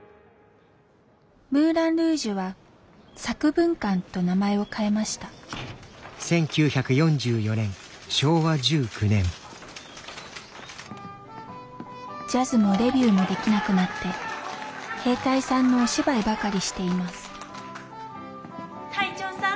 ムーラン・ルージュは作文館と名前を変えましたジャズもレヴューもできなくなって兵隊さんのお芝居ばかりしています隊長さん